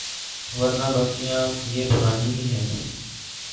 ورنہ بستیاں یہ پرانی ہی ہیں۔